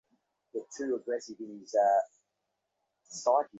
রানু অভিমানের সুরে বলিল, হ্যাঁ আসিস।